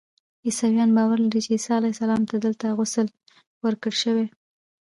عیسویان باور لري چې عیسی علیه السلام ته دلته غسل ورکړل شوی.